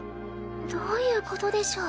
どういうことでしょう？